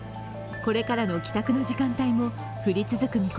これからの帰宅の時間帯も降り続く